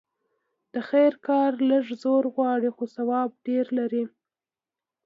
د خير کار لږ زور غواړي؛ خو ثواب ډېر لري.